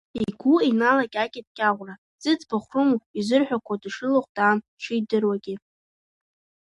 Игәы иналакьакьеит Кьаӷәра, зыӡбахә рымоу изырҳәақәо дышрылхәдаам шидыруагьы.